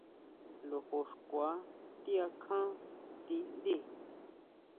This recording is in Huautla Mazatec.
Lojo xkua ti akján tindí.